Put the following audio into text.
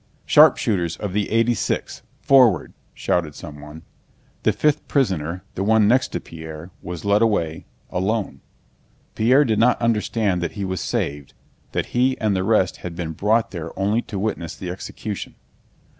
"Sharpshooters of the 86th, forward!" shouted someone. The fifth prisoner, the one next to Pierre, was led away—alone. Pierre did not understand that he was saved, that he and the rest had been brought there only to witness the execution.